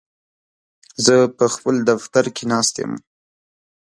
زه په خپل دفتر کې ناست یم.